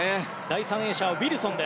第３泳者はウィルソン。